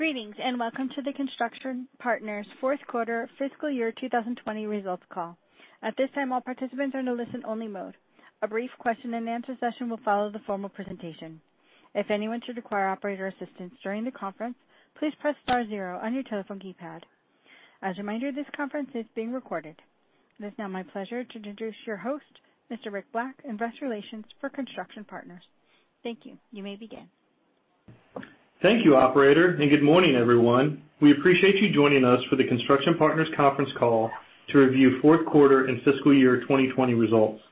Greetings, welcome to the Construction Partners Fourth Quarter Fiscal Year 2020 Results Call. At this time, all participants are in a listen-only mode. A brief question-and-answer session will follow the formal presentation. If anyone should require operator assistance during the conference, please press star zero on your telephone keypad. As a reminder, this conference is being recorded. It is now my pleasure to introduce your host, Mr. Rick Black, Investor Relations for Construction Partners. Thank you. You may begin. Thank you, operator. Good morning, everyone. We appreciate you joining us for the Construction Partners conference call to review fourth quarter and fiscal year 2020 results.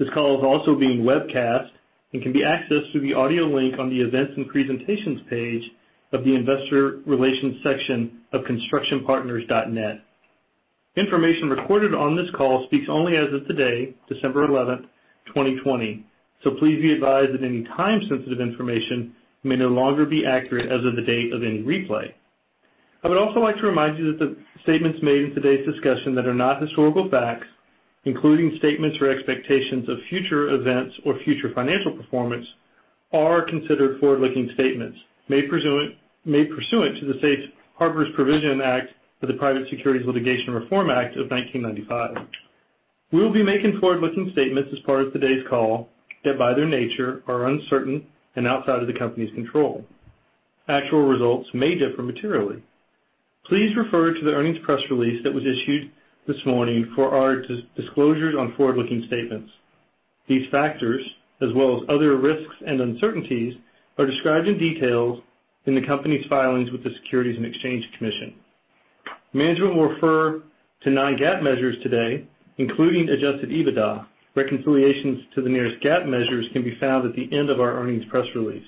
This call is also being webcast and can be accessed through the audio link on the Events and Presentations page of the Investor Relations section of www.constructionpartners.net. Information recorded on this call speaks only as of today, December 11, 2020. Please be advised that any time-sensitive information may no longer be accurate as of the date of any replay. I would also like to remind you that the statements made in today's discussion that are not historical facts, including statements or expectations of future events or future financial performance, are considered forward-looking statements made pursuant to the Safe Harbor Provision of the Private Securities Litigation Reform Act of 1995. We'll be making forward-looking statements as part of today's call that, by their nature, are uncertain and outside of the company's control. Actual results may differ materially. Please refer to the earnings press release that was issued this morning for our disclosures on forward-looking statements. These factors, as well as other risks and uncertainties, are described in detail in the company's filings with the Securities and Exchange Commission. Management will refer to non-GAAP measures today, including Adjusted EBITDA. Reconciliations to the nearest GAAP measures can be found at the end of our earnings press release.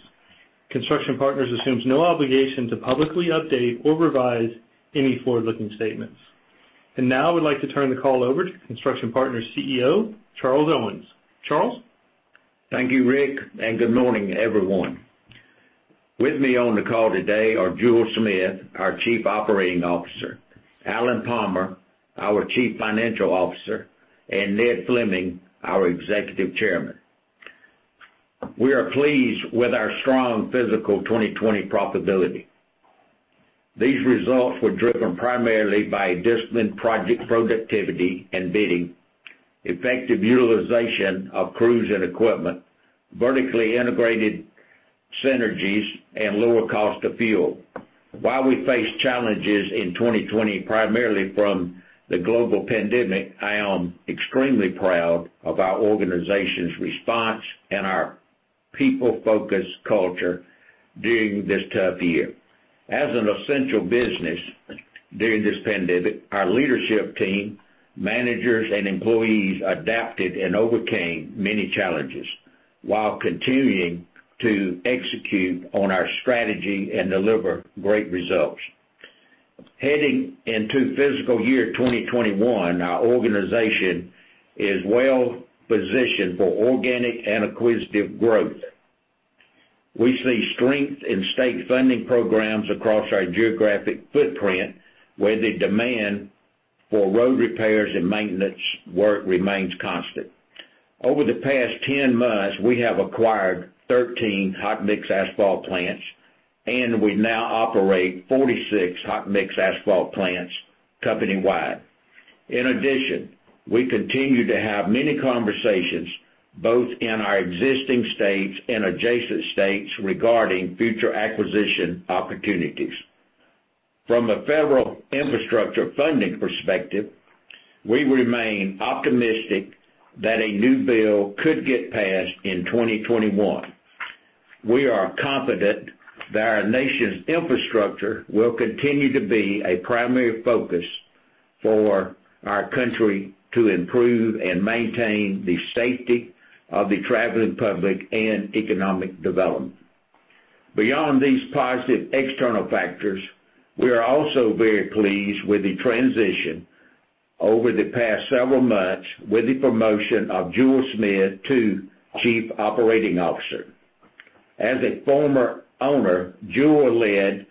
Construction Partners assumes no obligation to publicly update or revise any forward-looking statements. Now I would like to turn the call over to Construction Partners' CEO, Charles Owens. Charles? Thank you, Rick. Good morning, everyone. With me on the call today are Jule Smith, our Chief Operating Officer, Alan Palmer, our Chief Financial Officer, and Ned Fleming, our Executive Chairman. We are pleased with our strong fiscal 2020 profitability. These results were driven primarily by disciplined project productivity and bidding, effective utilization of crews and equipment, vertically integrated synergies, and lower cost of fuel. While we faced challenges in 2020, primarily from the global pandemic, I am extremely proud of our organization's response and our people-focused culture during this tough year. As an essential business during this pandemic, our leadership team, managers, and employees adapted and overcame many challenges while continuing to execute on our strategy and deliver great results. Heading into fiscal year 2021, our organization is well-positioned for organic and acquisitive growth. We see strength in state funding programs across our geographic footprint, where the demand for road repairs and maintenance work remains constant. Over the past 10 months, we have acquired 13 hot mix asphalt plants, and we now operate 46 hot mix asphalt plants company-wide. We continue to have many conversations, both in our existing states and adjacent states, regarding future acquisition opportunities. From a federal infrastructure funding perspective, we remain optimistic that a new bill could get passed in 2021. We are confident that our nation's infrastructure will continue to be a primary focus for our country to improve and maintain the safety of the traveling public and economic development. Beyond these positive external factors, we are also very pleased with the transition over the past several months with the promotion of Jule Smith to Chief Operating Officer. As a former owner, Jule led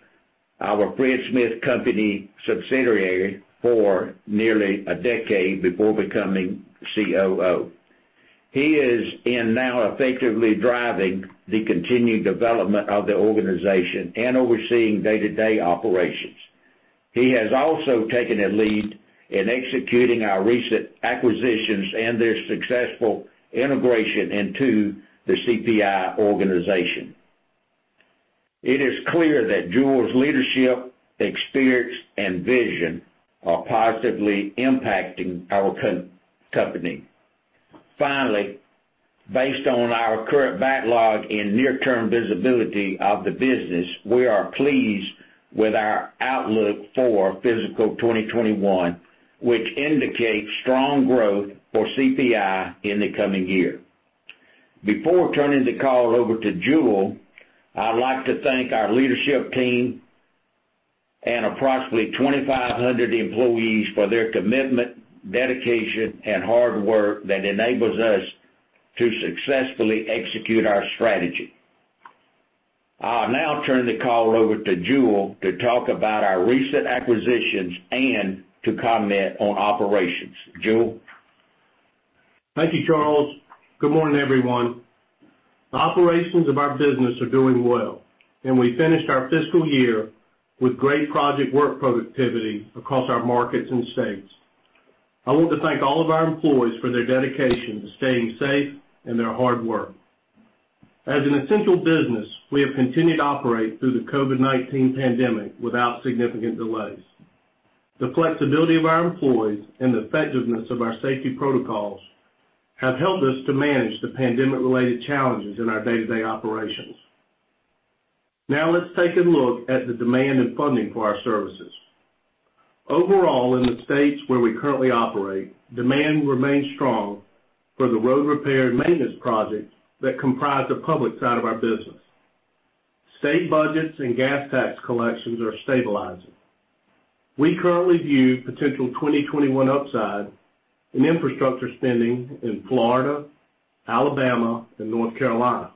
our Fred Smith Company subsidiary for nearly a decade before becoming COO. He is in now effectively driving the continued development of the organization and overseeing day-to-day operations. He has also taken a lead in executing our recent acquisitions and their successful integration into the CPI organization. It is clear that Jule's leadership, experience, and vision are positively impacting our company. Finally, based on our current backlog and near-term visibility of the business, we are pleased with our outlook for fiscal 2021, which indicates strong growth for CPI in the coming year. Before turning the call over to Jule, I'd like to thank our leadership team and approximately 2,500 employees for their commitment, dedication, and hard work that enables us to successfully execute our strategy. I'll now turn the call over to Jule to talk about our recent acquisitions and to comment on operations. Jule? Thank you, Charles. Good morning, everyone. The operations of our business are doing well, and we finished our fiscal year with great project work productivity across our markets and states. I want to thank all of our employees for their dedication to staying safe and their hard work. As an essential business, we have continued to operate through the COVID-19 pandemic without significant delays. The flexibility of our employees and the effectiveness of our safety protocols have helped us to manage the pandemic related challenges in our day-to-day operations. Let's take a look at the demand in funding for our services. Overall, in the states where we currently operate, demand remains strong for the road repair and maintenance projects that comprise the public side of our business. State budgets and gas tax collections are stabilizing. We currently view potential 2021 upside in infrastructure spending in Florida, Alabama, and North Carolina,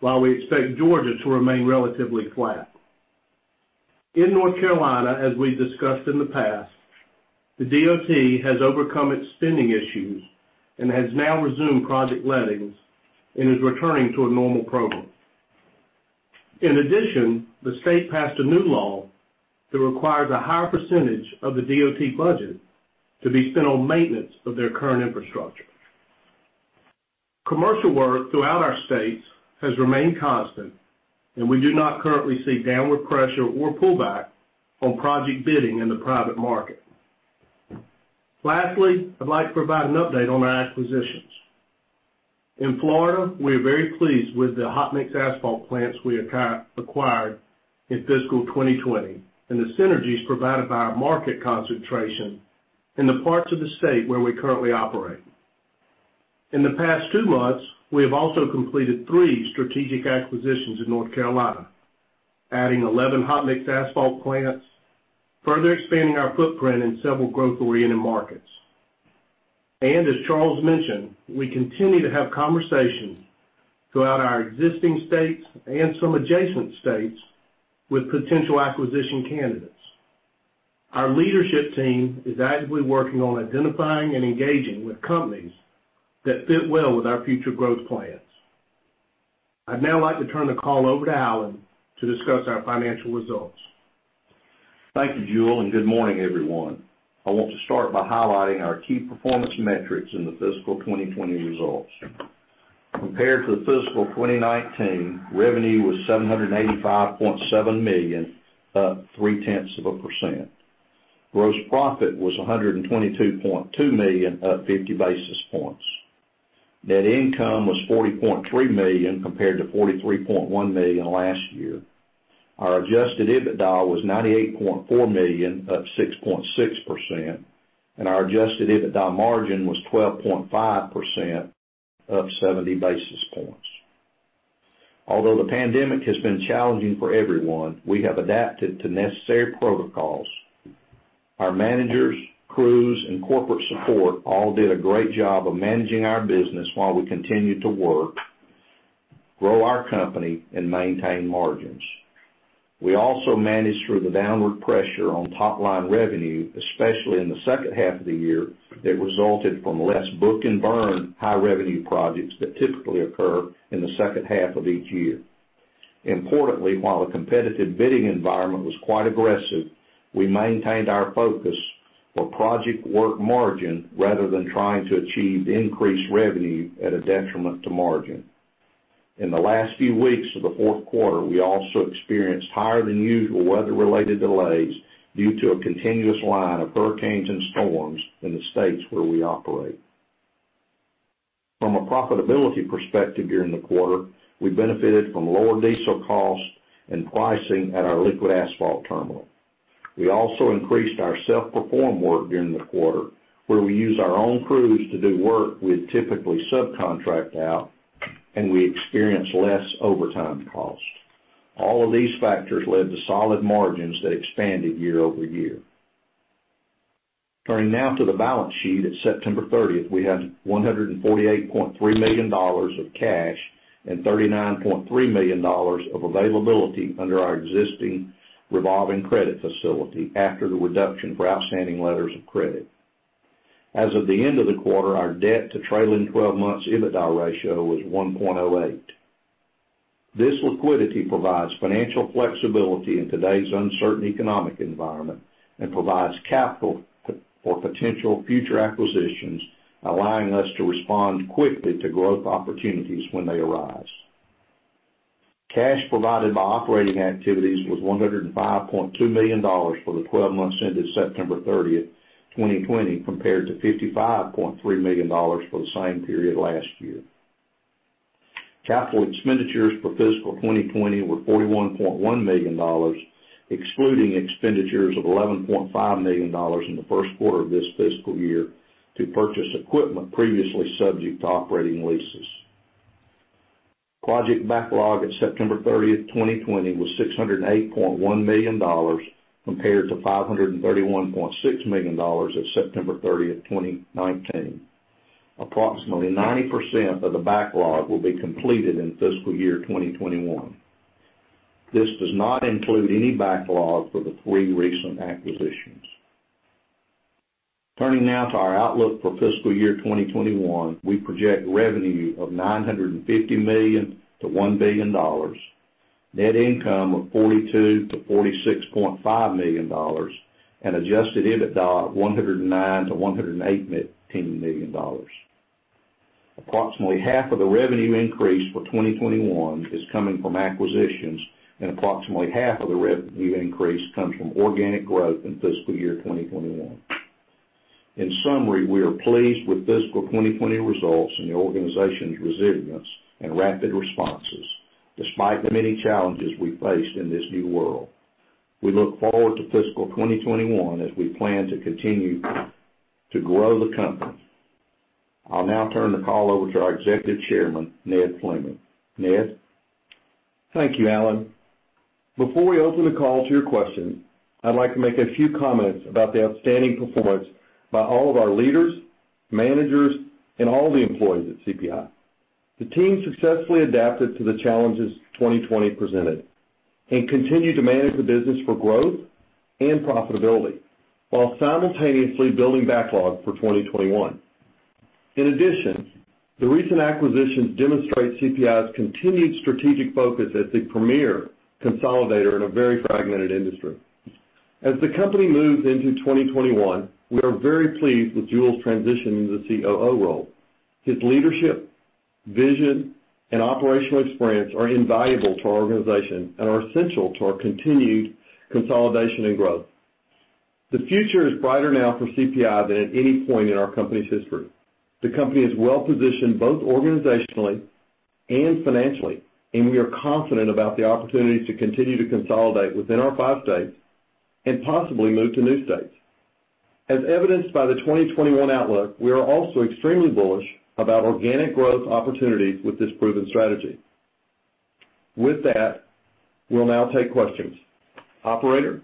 while we expect Georgia to remain relatively flat. In North Carolina, as we've discussed in the past, the DOT has overcome its spending issues and has now resumed project lettings and is returning to a normal program. In addition, the state passed a new law that requires a higher percentage of the DOT budget to be spent on maintenance of their current infrastructure. Commercial work throughout our states has remained constant, and we do not currently see downward pressure or pullback on project bidding in the private market. Lastly, I'd like to provide an update on our acquisitions. In Florida, we are very pleased with the hot mix asphalt plants we acquired in fiscal 2020 and the synergies provided by our market concentration in the parts of the state where we currently operate. In the past two months, we have also completed three strategic acquisitions in North Carolina, adding 11 hot mix asphalt plants, further expanding our footprint in several growth-oriented markets. As Charles mentioned, we continue to have conversations throughout our existing states and some adjacent states with potential acquisition candidates. Our leadership team is actively working on identifying and engaging with companies that fit well with our future growth plans. I'd now like to turn the call over to Alan to discuss our financial results. Thank you, Jule, good morning, everyone. I want to start by highlighting our key performance metrics in the fiscal 2020 results. Compared to fiscal 2019, revenue was $785.7 million, up 0.3%. Gross profit was $122.2 million, up 50 basis points. Net income was $40.3 million compared to $43.1 million last year. Our Adjusted EBITDA was $98.4 million, up 6.6%, and our Adjusted EBITDA margin was 12.5%, up 70 basis points. Although the pandemic has been challenging for everyone, we have adapted to necessary protocols. Our managers, crews, and corporate support all did a great job of managing our business while we continued to work, grow our company, and maintain margins. We also managed through the downward pressure on top-line revenue, especially in the second half of the year, that resulted from less book-and-burn high-revenue projects that typically occur in the second half of each year. Importantly, while the competitive bidding environment was quite aggressive, we maintained our focus on project work margin rather than trying to achieve increased revenue at a detriment to margin. In the last few weeks of the fourth quarter, we also experienced higher-than-usual weather-related delays due to a continuous line of hurricanes and storms in the states where we operate. From a profitability perspective during the quarter, we benefited from lower diesel costs and pricing at our liquid asphalt terminal. We also increased our self-perform work during the quarter, where we use our own crews to do work we'd typically subcontract out, and we experienced less overtime costs. All of these factors led to solid margins that expanded year-over-year. Turning now to the balance sheet at September 30, we had $148.3 million of cash and $39.3 million of availability under our existing revolving credit facility after the reduction for outstanding letters of credit. As of the end of the quarter, our debt to trailing 12 months EBITDA ratio was 1.08. This liquidity provides financial flexibility in today's uncertain economic environment and provides capital for potential future acquisitions, allowing us to respond quickly to growth opportunities when they arise. Cash provided by operating activities was $105.2 million for the 12 months ended September 30, 2020, compared to $55.3 million for the same period last year. Capital expenditures for fiscal 2020 were $41.1 million, excluding expenditures of $11.5 million in the first quarter of this fiscal year to purchase equipment previously subject to operating leases. Project backlog at September 30th, 2020, was $608.1 million compared to $531.6 million at September 30th, 2019. Approximately 90% of the backlog will be completed in fiscal year 2021. This does not include any backlog for the three recent acquisitions. Turning now to our outlook for fiscal year 2021, we project revenue of $950 million to $1 billion, net income of $42 million to $46.5 million, and Adjusted EBITDA of $109 million to $118 million. Approximately half of the revenue increase for 2021 is coming from acquisitions, and approximately half of the revenue increase comes from organic growth in fiscal year 2021. In summary, we are pleased with fiscal 2020 results and the organization's resilience and rapid responses, despite the many challenges we faced in this new world. We look forward to fiscal 2021 as we plan to continue to grow the company. I'll now turn the call over to our Executive Chairman, Ned Fleming. Ned? Thank you, Alan. Before we open the call to your questions, I'd like to make a few comments about the outstanding performance by all of our leaders, managers, and all the employees at CPI. The team successfully adapted to the challenges 2020 presented and continued to manage the business for growth and profitability while simultaneously building backlog for 2021. In addition, the recent acquisitions demonstrate CPI's continued strategic focus as the premier consolidator in a very fragmented industry. As the company moves into 2021, we are very pleased with Jule's transition into the COO role. His leadership, vision, and operational experience are invaluable to our organization and are essential to our continued consolidation and growth. The future is brighter now for CPI than at any point in our company's history. The company is well-positioned both organizationally and financially, and we are confident about the opportunities to continue to consolidate within our five states and possibly move to new states. As evidenced by the 2021 outlook, we are also extremely bullish about organic growth opportunities with this proven strategy. With that, we will now take questions. Operator?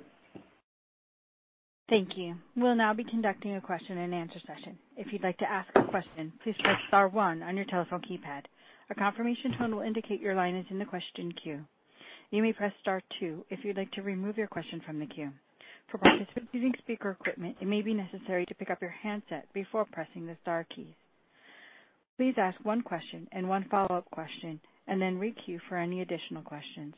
Thank you. We'll now be conducting a question-and-answer session. If you'd like to ask a question, please press star one on your telephone keypad. A confirmation tone will indicate your line is in the question queue. You may press star two if you'd like to remove your question from the queue. For participants using speaker equipment, it may be necessary to pick up your handset before pressing the star keys. Please ask one question and one follow-up question, and then re-queue for any additional questions.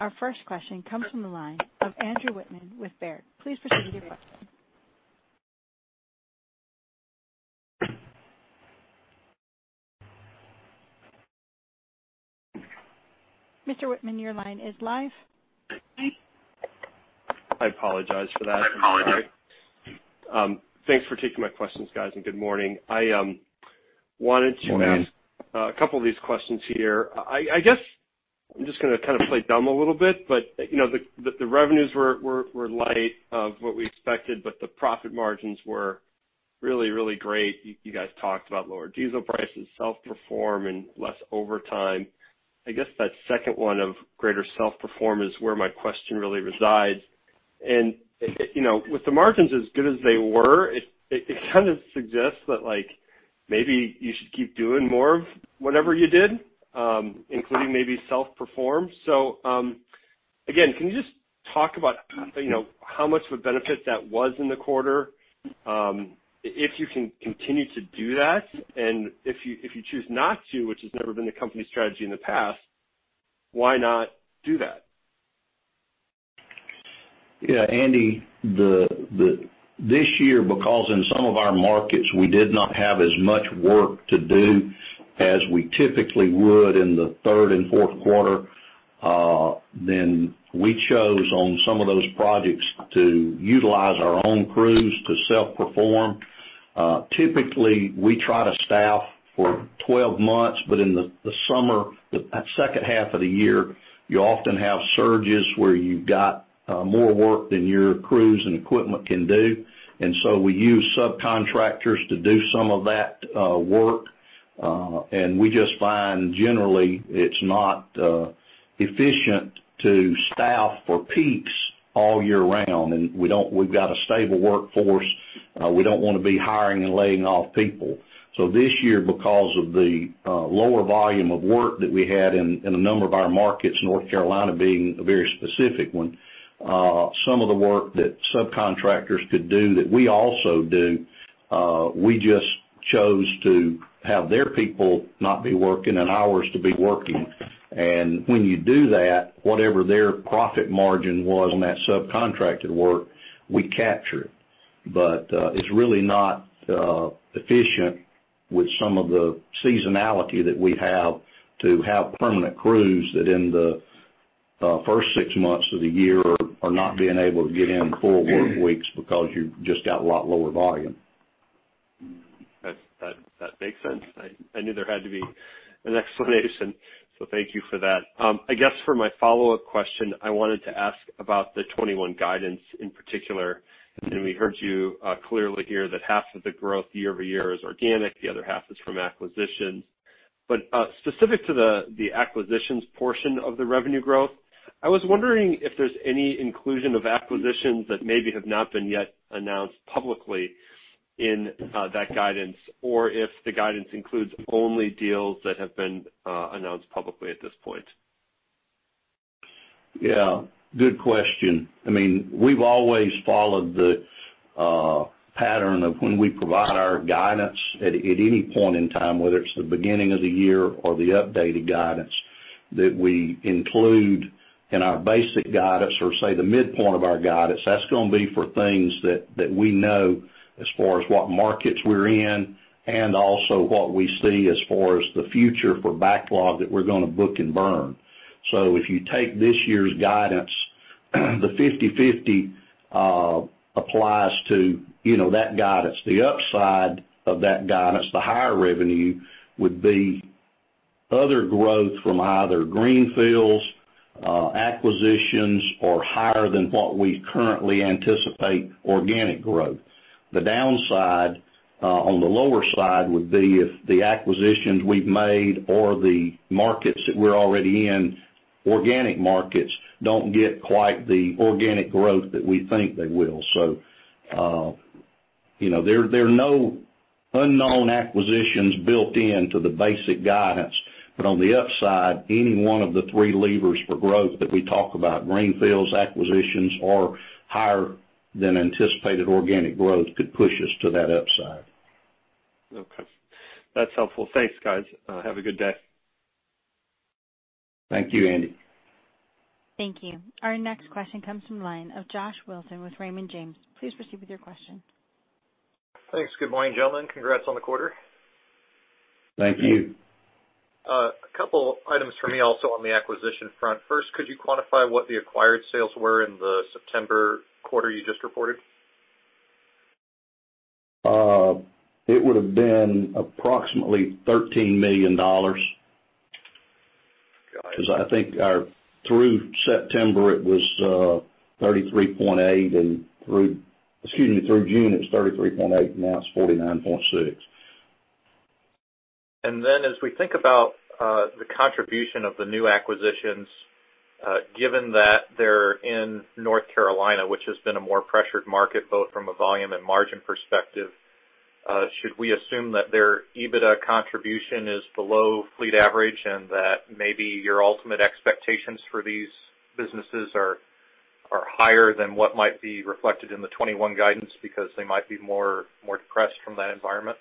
Our first question comes from the line of Andrew Wittmann with Baird. Please proceed with your question. Mr. Wittmann, your line is live. I apologize for that. No apology. Thanks for taking my questions, guys, and good morning. A couple of these questions here. I guess I'm just going to kind of play dumb a little bit, but the revenues were light of what we expected, but the profit margins were really, really great. You guys talked about lower diesel prices, self-perform, and less overtime. I guess that second one of greater self-perform is where my question really resides. With the margins as good as they were, it kind of suggests that maybe you should keep doing more of whatever you did, including maybe self-perform. Again, can you just talk about how much of a benefit that was in the quarter? If you can continue to do that, and if you choose not to, which has never been the company strategy in the past, why not do that? Andy, this year, because in some of our markets, we did not have as much work to do as we typically would in the third and fourth quarter, we chose on some of those projects to utilize our own crews to self-perform. Typically, we try to staff for 12 months, but in the summer, that second half of the year, you often have surges where you've got more work than your crews and equipment can do. We use subcontractors to do some of that work. We just find generally it's not efficient to staff for peaks all year round. We've got a stable workforce. We don't want to be hiring and laying off people. This year, because of the lower volume of work that we had in a number of our markets, North Carolina being a very specific one, some of the work that subcontractors could do that we also do, we just chose to have their people not be working and ours to be working. When you do that, whatever their profit margin was on that subcontracted work, we capture. It's really not efficient with some of the seasonality that we have to have permanent crews that in the first six months of the year are not being able to get in full work weeks because you've just got a lot lower volume. That makes sense. I knew there had to be an explanation, so thank you for that. I guess for my follow-up question, I wanted to ask about the 2021 guidance in particular. We heard you clearly here that half of the growth year-over-year is organic, the other half is from acquisitions. Specific to the acquisitions portion of the revenue growth, I was wondering if there's any inclusion of acquisitions that maybe have not been yet announced publicly in that guidance, or if the guidance includes only deals that have been announced publicly at this point. Yeah, good question. We've always followed the pattern of when we provide our guidance at any point in time, whether it's the beginning of the year or the updated guidance, that we include in our basic guidance or say the midpoint of our guidance. That's going to be for things that we know as far as what markets we're in and also what we see as far as the future for backlog that we're going to book-and-burn. If you take this year's guidance, the 50/50 applies to that guidance. The upside of that guidance, the higher revenue, would be other growth from either greenfields, acquisitions, or higher than what we currently anticipate organic growth. The downside on the lower side would be if the acquisitions we've made or the markets that we're already in, organic markets, don't get quite the organic growth that we think they will. There are no unknown acquisitions built into the basic guidance. On the upside, any one of the three levers for growth that we talk about, greenfields, acquisitions, or higher than anticipated organic growth, could push us to that upside. Okay. That's helpful. Thanks, guys. Have a good day. Thank you, Andy. Thank you. Our next question comes from the line of Josh Wilson with Raymond James. Please proceed with your question. Thanks. Good morning, gentlemen. Congrats on the quarter. Thank you. A couple items from me also on the acquisition front. First, could you quantify what the acquired sales were in the September quarter you just reported? It would've been approximately $13 million. I think through September it was $33.8, and through, excuse me, through June, it's $33.8, now it's $49.6. As we think about the contribution of the new acquisitions, given that they're in North Carolina, which has been a more pressured market, both from a volume and margin perspective, should we assume that their EBITDA contribution is below fleet average and that maybe your ultimate expectations for these businesses are higher than what might be reflected in the 2021 guidance because they might be more depressed from that environment?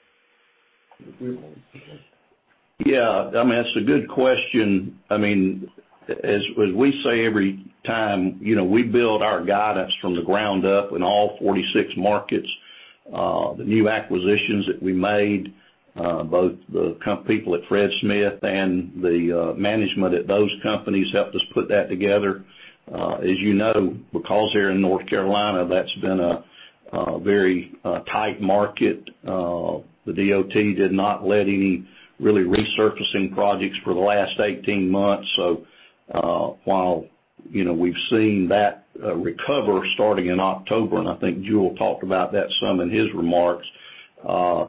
Yeah. That's a good question. As we say every time, we build our guidance from the ground up in all 46 markets. The new acquisitions that we made, both the people at Fred Smith and the management at those companies helped us put that together. As you know, because they're in North Carolina, that's been a very tight market. The DOT did not let any really resurfacing projects for the last 18 months. While we've seen that recover starting in October, and I think Jule talked about that some in his remarks,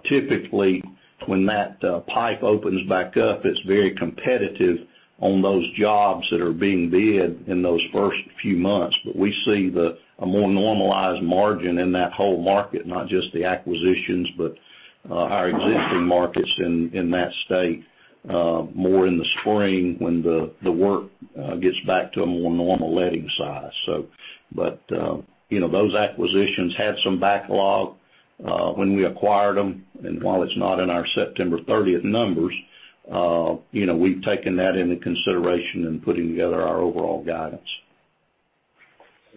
typically when that pipe opens back up, it's very competitive on those jobs that are being bid in those first few months. We see a more normalized margin in that whole market, not just the acquisitions, but our existing markets in that state more in the spring when the work gets back to a more normal letting size. Those acquisitions had some backlog when we acquired them, and while it's not in our September 30th numbers, we've taken that into consideration in putting together our overall guidance.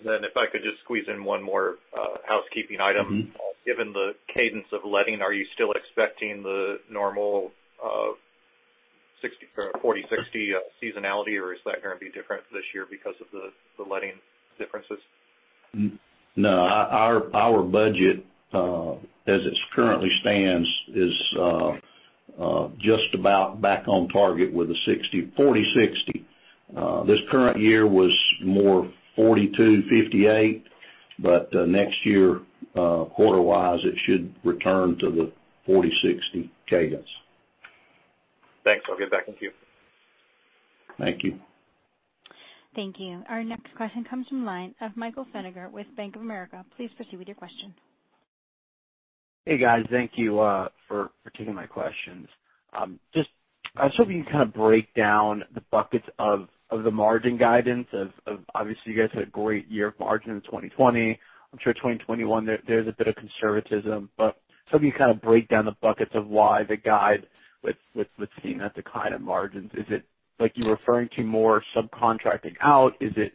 If I could just squeeze in one more housekeeping item. Given the cadence of letting, are you still expecting the normal of 40/60 seasonality, or is that going to be different this year because of the letting differences? No. Our budget, as it currently stands, is just about back on target with the 40/60. This current year was more 42/58. Next year, quarter-wise, it should return to the 40/60 cadence. Thanks. I'll get back in queue. Thank you. Thank you. Our next question comes from the line of Michael Feniger with Bank of America. Please proceed with your question. Hey, guys. Thank you for taking my questions. Just I was hoping you can kind of break down the buckets of the margin guidance of, obviously you guys had a great year of margin in 2020. I'm sure 2021 there's a bit of conservatism, but some of you kind of break down the buckets of why the guide with seeing that decline in margins. Is it like you were referring to more subcontracting out? Is it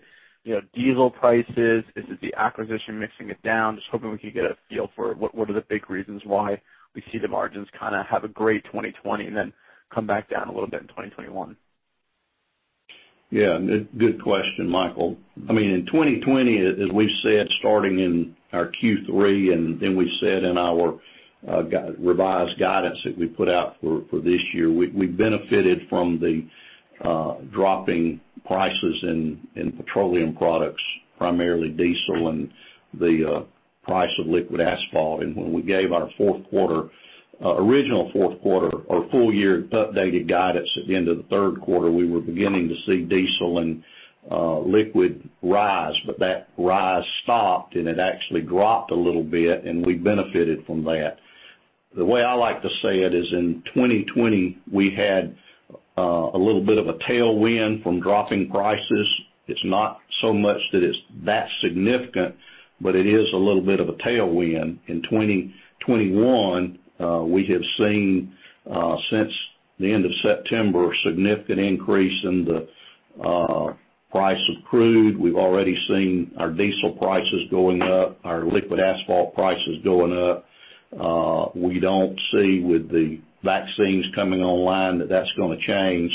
diesel prices? Is it the acquisition mixing it down? Just hoping we could get a feel for what are the big reasons why we see the margins kind of have a great 2020, and then come back down a little bit in 2021. Yeah. Good question, Michael. In 2020, as we've said starting in our Q3 and then we said in our revised guidance that we put out for this year, we benefited from the dropping prices in petroleum products, primarily diesel and the price of liquid asphalt. When we gave our original fourth quarter or full-year updated guidance at the end of the third quarter, we were beginning to see diesel and liquid rise, but that rise stopped and it actually dropped a little bit, and we benefited from that. The way I like to say it is, in 2020, we had a little bit of a tailwind from dropping prices. It's not so much that it's that significant, but it is a little bit of a tailwind. In 2021, we have seen, since the end of September, a significant increase in the price of crude. We've already seen our diesel prices going up, our liquid asphalt prices going up. We don't see with the vaccines coming online that that's going to change.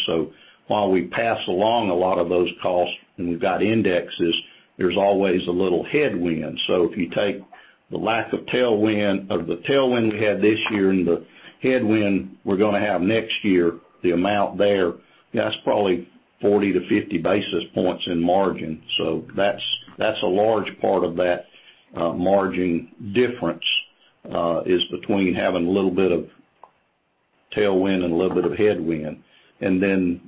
While we pass along a lot of those costs and we've got indexes, there's always a little headwind. If you take the lack of tailwind, or the tailwind we had this year, and the headwind we're going to have next year, the amount there, that's probably 40-50 basis points in margin. That's a large part of that margin difference, is between having a little bit of tailwind and a little bit of headwind. Then,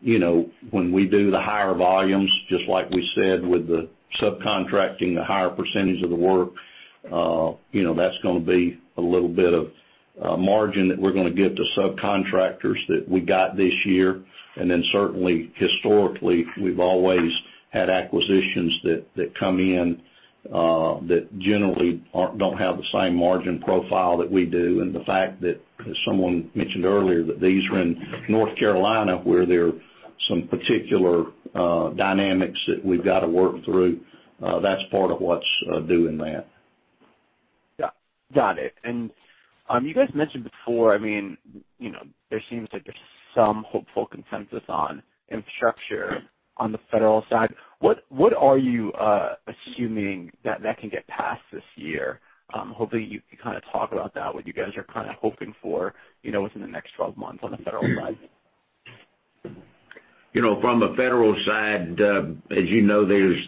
when we do the higher volumes, just like we said, with the subcontracting, the higher percentage of the work, that's going to be a little bit of margin that we're going to give to subcontractors that we got this year. Certainly, historically, we've always had acquisitions that come in that generally don't have the same margin profile that we do. The fact that someone mentioned earlier that these are in North Carolina, where there are some particular dynamics that we've got to work through, that's part of what's doing that. Yeah. Got it. You guys mentioned before, there seems like there's some hopeful consensus on infrastructure on the federal side. What are you assuming that can get passed this year? Hopefully, you can talk about that, what you guys are hoping for within the next 12 months on the federal side. From a federal side, as you know, there's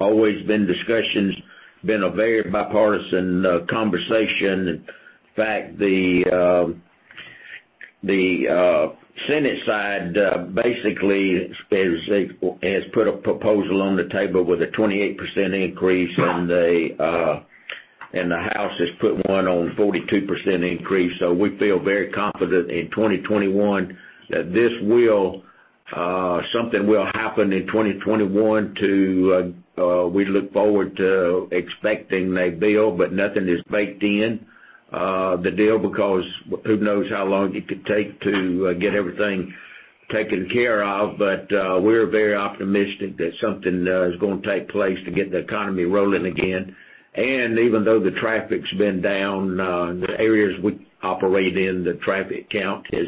always been discussions, been a very bipartisan conversation. In fact, the Senate side basically has put a proposal on the table with a 28% increase, and the House has put one on 42% increase. We feel very confident in 2021 that something will happen in 2021. We look forward to expecting a bill, but nothing is baked in the deal because who knows how long it could take to get everything taken care of. We're very optimistic that something is going to take place to get the economy rolling again. Even though the traffic's been down, the areas we operate in, the traffic count has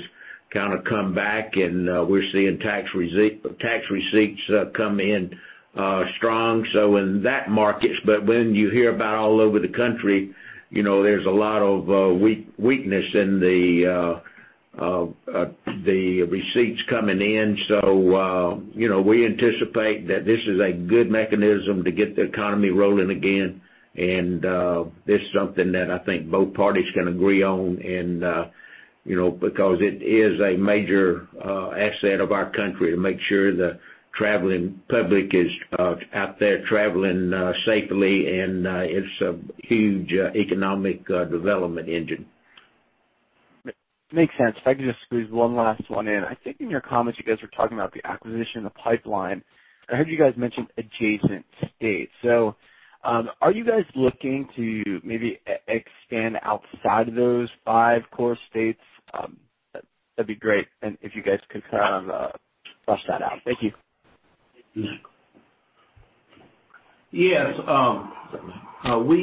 kind of come back, and we're seeing tax receipts come in strong. In that market, but when you hear about all over the country, there's a lot of weakness in the receipts coming in. We anticipate that this is a good mechanism to get the economy rolling again, and this is something that I think both parties can agree on because it is a major asset of our country to make sure the traveling public is out there traveling safely, and it's a huge economic development engine. Makes sense. If I could just squeeze one last one in. I think in your comments, you guys were talking about the acquisition, the pipeline. I heard you guys mention adjacent states. Are you guys looking to maybe expand outside of those five core states? That'd be great and if you guys could kind of flush that out. Thank you. Yes. We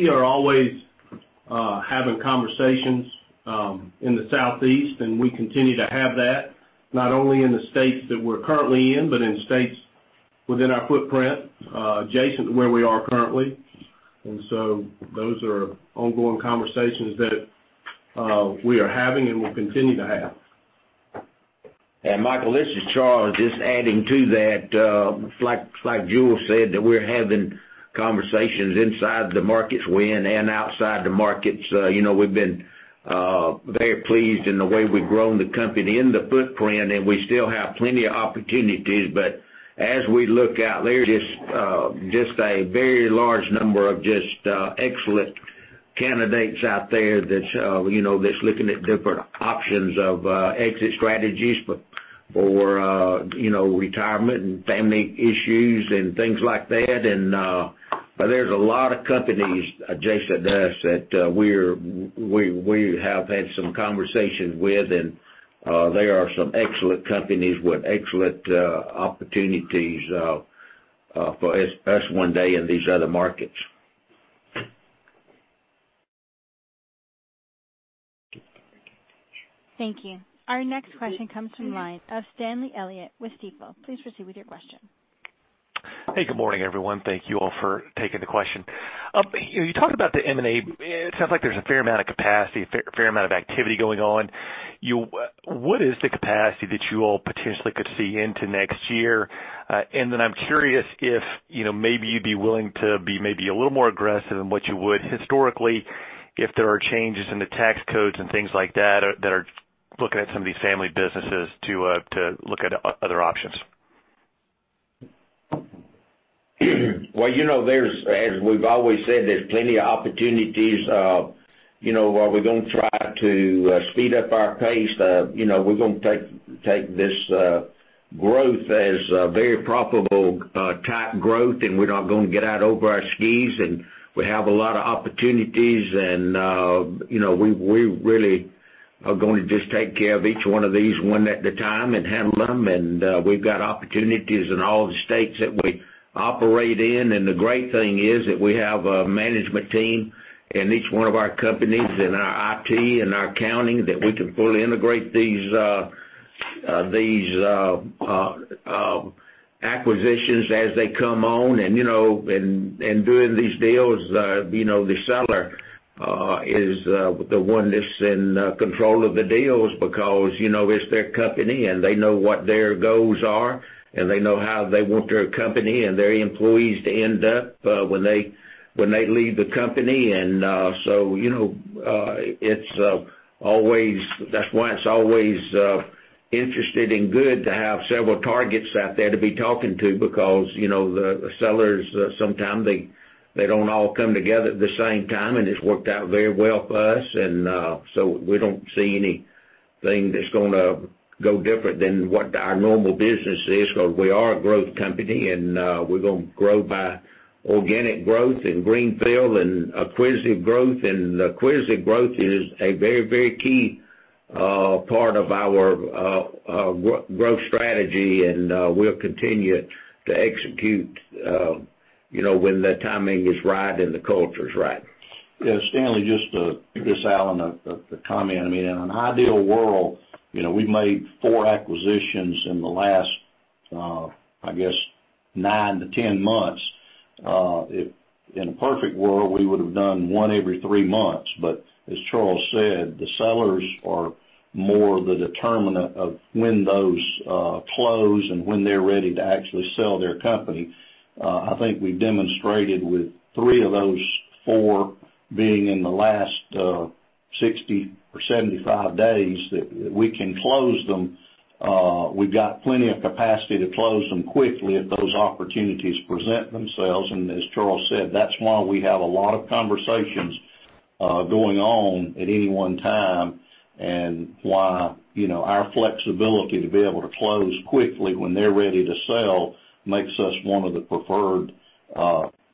are always having conversations in the Southeast, and we continue to have that, not only in the states that we're currently in, but in states within our footprint adjacent to where we are currently. Those are ongoing conversations that we are having and will continue to have. Michael, this is Charles. Just adding to that. Like Jule said, that we're having conversations inside the markets we're in and outside the markets. We've been very pleased in the way we've grown the company in the footprint, and we still have plenty of opportunities. As we look out there, just a very large number of just excellent candidates out there that's looking at different options of exit strategies or retirement and family issues and things like that. There's a lot of companies adjacent to us that we have had some conversations with, and they are some excellent companies with excellent opportunities for us one day in these other markets. Thank you. Our next question comes from the line of Stanley Elliott with Stifel. Please proceed with your question. Hey, good morning, everyone. Thank you all for taking the question. You talked about the M&A. It sounds like there's a fair amount of capacity, a fair amount of activity going on. What is the capacity that you all potentially could see into next year? I'm curious if maybe you'd be willing to be maybe a little more aggressive than what you would historically if there are changes in the tax codes and things like that are looking at some of these family businesses to look at other options. Well, as we've always said, there's plenty of opportunities. We're going to try to speed up our pace. We're going to take this growth as a very profitable type growth, and we're not going to get out over our skis. We have a lot of opportunities, and we really are going to just take care of each one of these one at a time and handle them. We've got opportunities in all the states that we operate in. The great thing is that we have a management team in each one of our companies, in our IT, in our accounting, that we can fully integrate these acquisitions as they come on. In doing these deals, the seller is the one that's in control of the deals because it's their company, and they know what their goals are, and they know how they want their company and their employees to end up when they leave the company. That's why it's always interesting and good to have several targets out there to be talking to because the sellers, sometimes they don't all come together at the same time, and it's worked out very well for us. We don't see anything that's going to go different than what our normal business is because we are a growth company, and we're going to grow by organic growth and greenfield and acquisitive growth. Acquisitive growth is a very key part of our growth strategy, and we'll continue to execute when the timing is right and the culture is right. Yeah, Stanley, just to this, Alan, a comment. In an ideal world, we've made four acquisitions in the last, I guess, nine to 10 months. In a perfect world, we would've done one every three months. As Charles said, the sellers are more the determinant of when those close and when they're ready to actually sell their company. I think we've demonstrated with three of those four being in the last 60 or 75 days, that we can close them. We've got plenty of capacity to close them quickly if those opportunities present themselves. As Charles said, that's why we have a lot of conversations going on at any one time, and why our flexibility to be able to close quickly when they're ready to sell makes us one of the preferred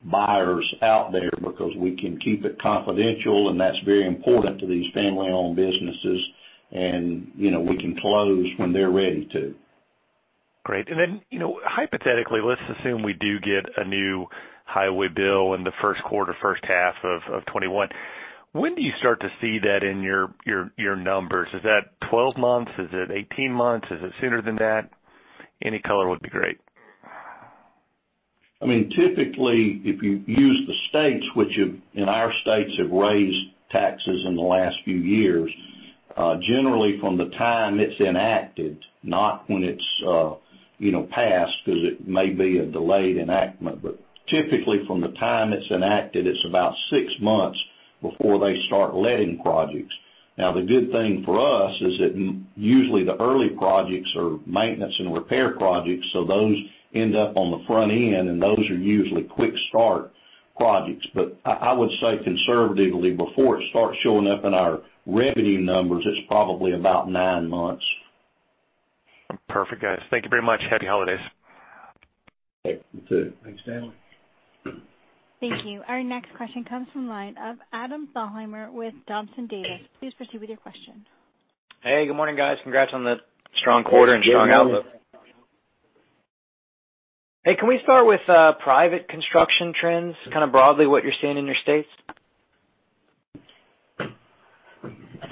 buyers out there because we can keep it confidential, and that's very important to these family-owned businesses, and we can close when they're ready to. Great. Hypothetically, let's assume we do get a new highway bill in the first quarter, first half of 2021. When do you start to see that in your numbers? Is that 12 months? Is it 18 months? Is it sooner than that? Any color would be great. Typically, if you use the states, which in our states have raised taxes in the last few years. Generally from the time it's enacted, not when it's passed, because it may be a delayed enactment. Typically from the time it's enacted, it's about six months before they start letting projects. The good thing for us is that usually the early projects are maintenance and repair projects, so those end up on the front end, and those are usually quick-start projects. I would say conservatively, before it starts showing up in our revenue numbers, it's probably about nine months. Perfect, guys. Thank you very much. Happy holidays. Okay. You too. Thanks, Stanley. Thank you. Our next question comes from the line of Adam Thalhimer with Thompson Davis. Please proceed with your question. Hey, good morning, guys. Congrats on the strong quarter and strong outlook. Hey, can we start with private construction trends, kind of broadly what you're seeing in your states?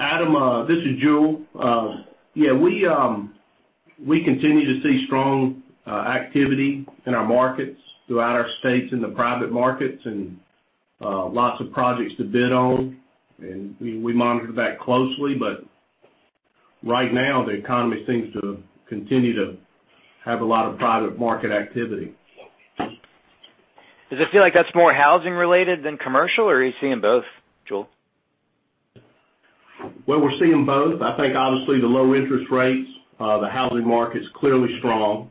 Adam, this is Jule. Yeah, we continue to see strong activity in our markets throughout our states in the private markets and lots of projects to bid on. We monitor that closely. Right now the economy seems to continue to have a lot of private market activity. Does it feel like that's more housing related than commercial, or are you seeing both, Jule? Well, we're seeing both. I think obviously the low interest rates, the housing market's clearly strong.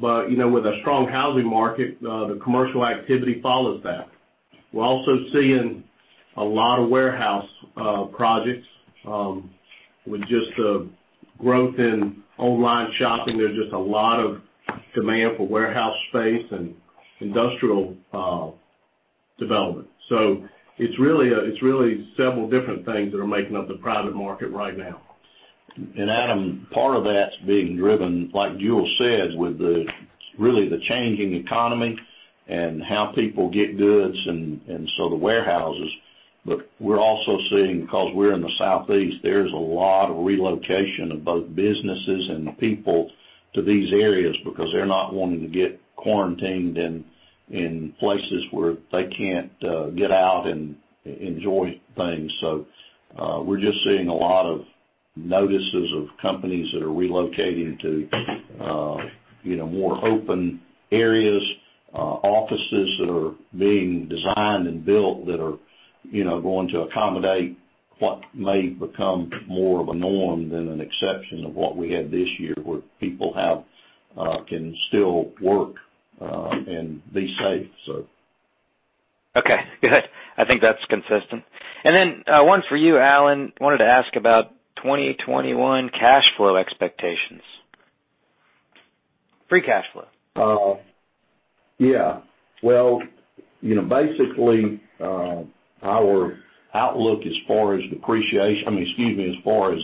With a strong housing market, the commercial activity follows that. We're also seeing a lot of warehouse projects with just the growth in online shopping. There's just a lot of demand for warehouse space and industrial development. It's really several different things that are making up the private market right now. Adam, part of that's being driven, like Jule said, with really the changing economy and how people get goods, the warehouses. We're also seeing because we're in the Southeast, there's a lot of relocation of both businesses and the people to these areas because they're not wanting to get quarantined in places where they can't get out and enjoy things. We're just seeing a lot of notices of companies that are relocating to more open areas, offices that are being designed and built that are going to accommodate what may become more of a norm than an exception of what we had this year, where people can still work and be safe. Okay, good. I think that's consistent. One for you, Alan. I wanted to ask about 2021 cash flow expectations, free cash flow. Yeah. Well, basically, our outlook as far as depreciation, excuse me, as far as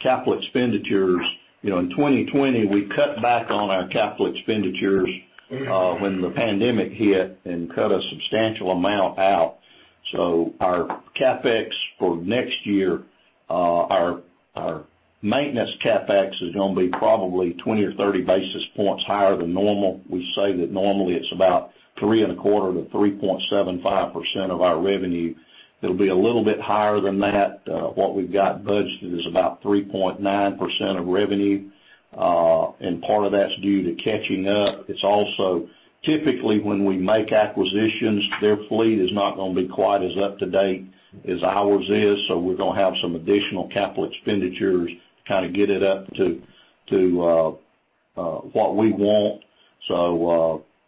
capital expenditures. In 2020, we cut back on our capital expenditures when the pandemic hit and cut a substantial amount out. Our CapEx for next year, our maintenance CapEx is going to be probably 20 or 30 basis points higher than normal. We say that normally it's about 3.25%-3.75% of our revenue. It'll be a little bit higher than that. What we've got budgeted is about 3.9% of revenue. Part of that's due to catching up. It's also, typically when we make acquisitions, their fleet is not going to be quite as up-to-date as ours is. We're going to have some additional capital expenditures, kind of get it up to what we want.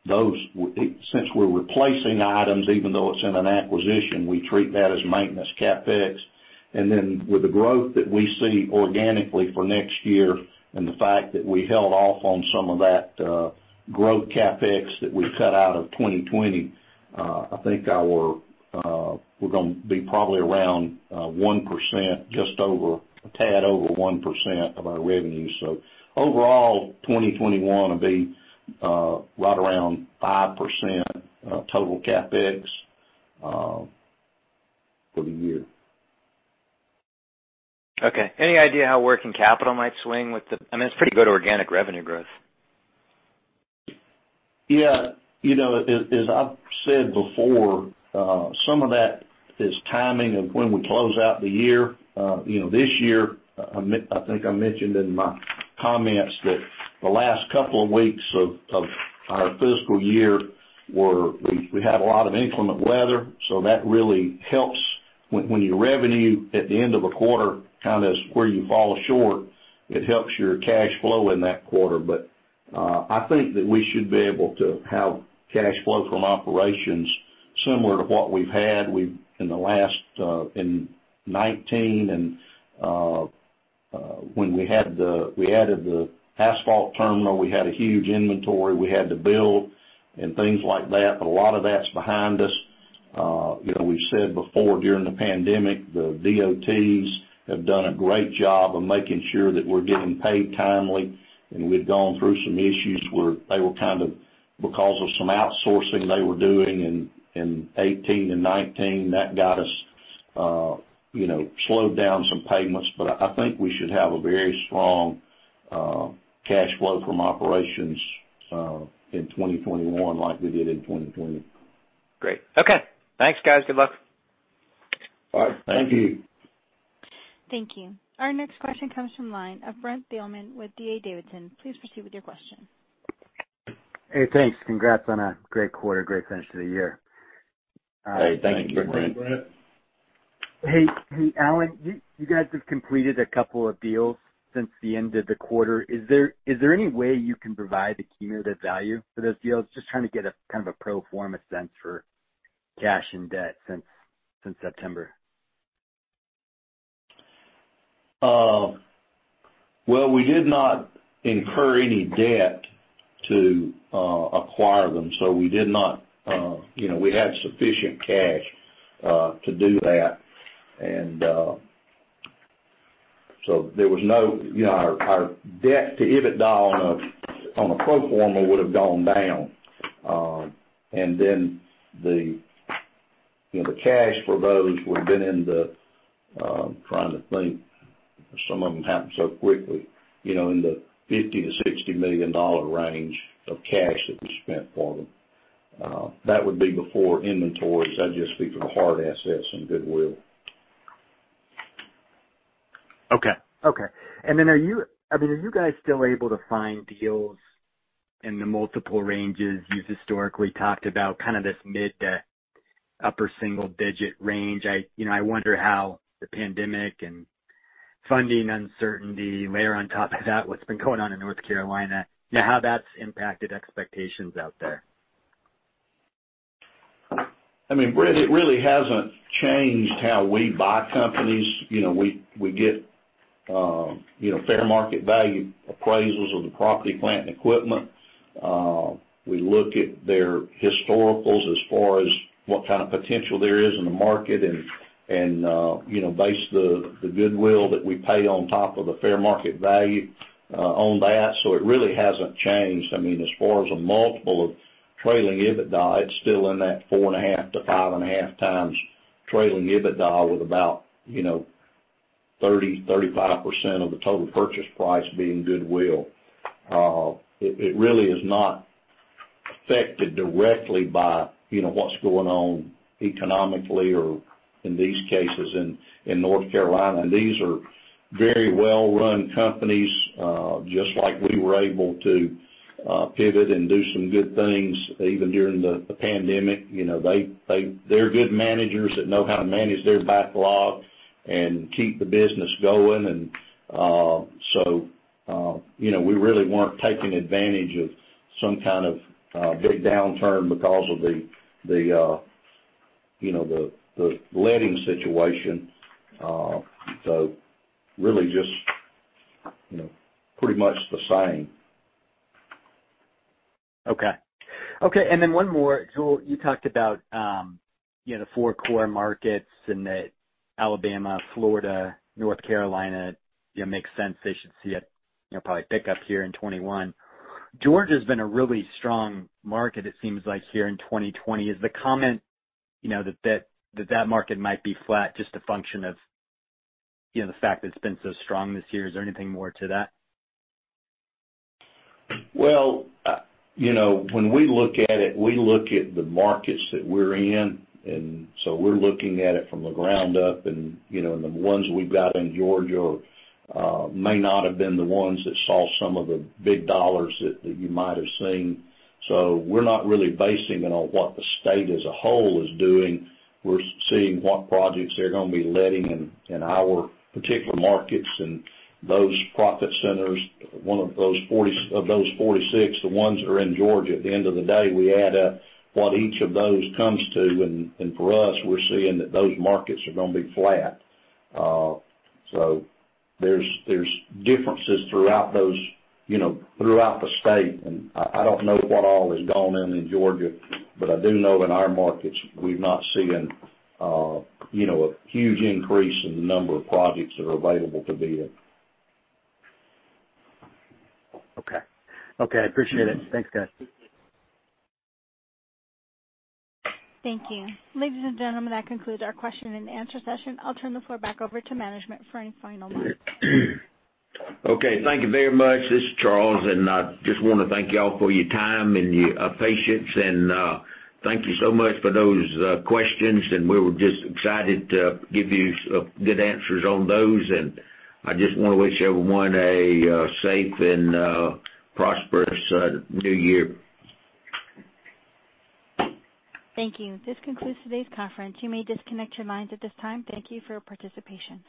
Since we're replacing items, even though it's in an acquisition, we treat that as maintenance CapEx. With the growth that we see organically for next year, and the fact that we held off on some of that growth CapEx that we cut out of 2020, I think we're going to be probably around 1%, just a tad over 1% of our revenue. Overall, 2021 will be right around 5% total CapEx for the year. Okay. Any idea how working capital might swing with the I mean, it's pretty good organic revenue growth? Yeah. As I've said before, some of that is timing of when we close out the year. This year, I think I mentioned in my comments that the last couple of weeks of our fiscal year, we had a lot of inclement weather, so that really helps when you revenue at the end of a quarter, kind of where you fall short, it helps your cash flow in that quarter. I think that we should be able to have cash flow from operations similar to what we've had in 2019. When we added the asphalt terminal, we had a huge inventory we had to build and things like that. A lot of that's behind us. We've said before, during the pandemic, the DOTs have done a great job of making sure that we're getting paid timely. We've gone through some issues where they were kind of, because of some outsourcing they were doing in 2018 and 2019, that got us slowed down some payments. I think we should have a very strong cash flow from operations in 2021 like we did in 2020. Great. Okay. Thanks, guys. Good luck. All right. Thank you. Thank you. Our next question comes from line of Brent Thielman with D.A. Davidson. Please proceed with your question. Hey, thanks. Congrats on a great quarter, great finish to the year. Hey, thank you. Thank you, Brent. Hey, Alan, you guys have completed a couple of deals since the end of the quarter. Is there any way you can provide the cumulative value for those deals? Just trying to get a kind of a pro forma sense for cash and debt since September. Well, we did not incur any debt to acquire them, so we had sufficient cash to do that. Our debt to EBITDA on a pro forma would've gone down. The cash for those would've been. Trying to think. Some of them happened so quickly. In the $50 million to $60 million range of cash that we spent for them. That would be before inventories. That'd just be for the hard assets and goodwill. Okay. Are you guys still able to find deals in the multiple ranges you've historically talked about, kind of this mid to upper single-digit range? I wonder how the pandemic and funding uncertainty, layer on top of that what's been going on in North Carolina, how that's impacted expectations out there. I mean, Brent, it really hasn't changed how we buy companies. We get fair market value appraisals of the property, plant, and equipment. We look at their historicals as far as what kind of potential there is in the market and base the goodwill that we pay on top of the fair market value on that. It really hasn't changed. As far as a multiple of trailing EBITDA, it's still in that 4.5x to 5.5x trailing EBITDA with about 30%-35% of the total purchase price being goodwill. It really is not affected directly by what's going on economically or in these cases, in North Carolina. These are very well-run companies. Just like we were able to pivot and do some good things even during the pandemic. They're good managers that know how to manage their backlog and keep the business going. We really weren't taking advantage of some kind of big downturn because of the letting situation. Really just pretty much the same. Okay. One more. Jule, you talked about the four core markets and that Alabama, Florida, North Carolina, makes sense they should see a probably pick-up here in 2021. Georgia's been a really strong market it seems like here in 2020. Is the comment that that market might be flat just a function of the fact that it's been so strong this year? Is there anything more to that? When we look at it, we look at the markets that we're in. We're looking at it from the ground up, and the ones we've got in Georgia may not have been the ones that saw some of the big dollars that you might have seen. We're not really basing it on what the state as a whole is doing. We're seeing what projects they're going to be letting in our particular markets and those profit centers, of those 46, the ones that are in Georgia, at the end of the day, we add up what each of those comes to. For us, we're seeing that those markets are going to be flat. There's differences throughout the state, and I don't know what all is going on in Georgia, but I do know in our markets, we've not seen a huge increase in the number of projects that are available to bid. Okay. I appreciate it. Thanks, guys. Thank you. Ladies and gentlemen, that concludes our question-and-answer session. I'll turn the floor back over to management for any final words. Okay. Thank you very much. This is Charles, I just want to thank you all for your time and your patience, and thank you so much for those questions, and we were just excited to give you some good answers on those. I just want to wish everyone a safe and prosperous new year. Thank you. This concludes today's conference. You may disconnect your lines at this time. Thank you for your participation.